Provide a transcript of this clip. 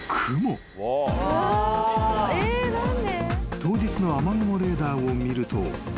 ［当日の雨雲レーダーを見ると］